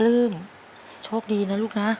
ลื้มโชคดีนะลูกนะ